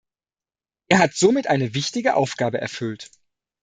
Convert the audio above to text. Er hat somit eine wichtige Aufgabe erfüllt.